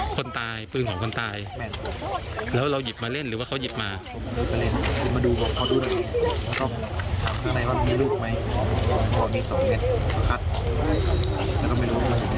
ตอนนี้ส่งเม็ดคัดแล้วก็ไม่รู้ว่ามันอยู่ในช่างรางตื่นในรักษณ์